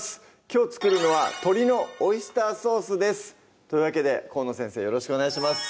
きょう作るのは「鶏のオイスターソース」ですというわけで河野先生よろしくお願いします